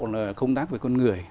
là công tác với con người